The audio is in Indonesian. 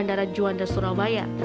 bandara juanda surabaya